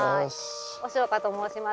押岡と申します